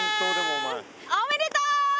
おめでとう！